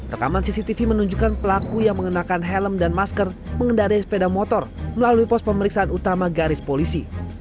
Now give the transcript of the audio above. rekaman cctv menunjukkan pelaku yang mengenakan helm dan masker mengendarai sepeda motor melalui pos pemeriksaan utama garis polisi